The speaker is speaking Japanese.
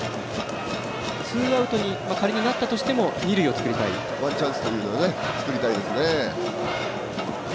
ツーアウトに仮になったとしてもワンチャンスというのは作りたいですね。